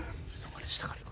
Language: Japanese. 下からいく！